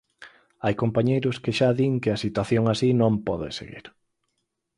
Hai compañeiros que xa din que a situación así non pode seguir.